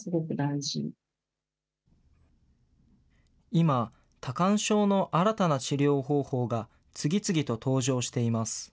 今、多汗症の新たな治療方法が、次々と登場しています。